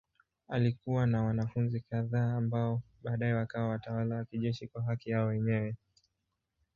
Alikuwa na wanafunzi kadhaa ambao baadaye wakawa watawala wa kijeshi kwa haki yao wenyewe.